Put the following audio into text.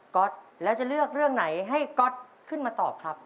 ๊อตแล้วจะเลือกเรื่องไหนให้ก๊อตขึ้นมาตอบครับ